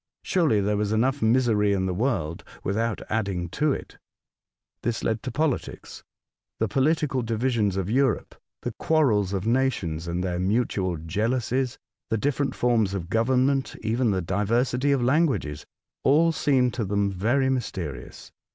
Surely there was enough misery in the world without adding to it ? This led to politics. The political divisions of Europe, the quarrels of nations and their mutual jealousies, the different p 2 212 A Voyage to Other Worlds. forms of government, even the diversity of lan guages, — all seemed to thorn very mysterious.